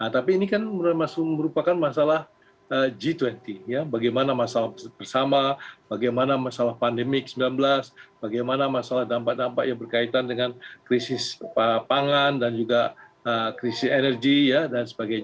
tapi ini kan merupakan masalah g dua puluh ya bagaimana masalah bersama bagaimana masalah pandemi covid sembilan belas bagaimana masalah dampak dampak yang berkaitan dengan krisis pangan dan juga krisis energi dan sebagainya